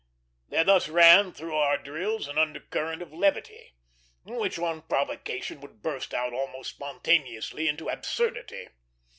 There thus ran through our drills an undercurrent of levity, which on provocation would burst out almost spontaneously into absurdity.